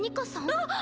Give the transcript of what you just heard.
あっ。